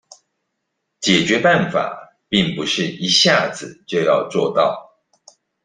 解決辦法並不是一下子就要做到